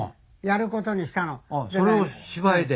それを芝居で？